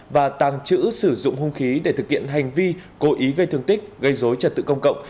và tàng trữ sử dụng hung khí để thực hiện hành vi cố ý gây thương tích gây dối trật tự công cộng